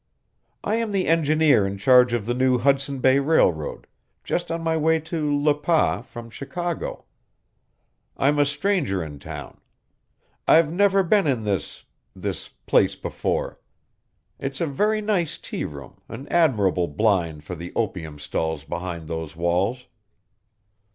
I am the engineer in charge of the new Hudson Bay Railroad, just on my way to Le Pas from Chicago. I'm a stranger in town. I've never been in this this place before. It's a very nice tea room, an admirable blind for the opium stalls behind those walls."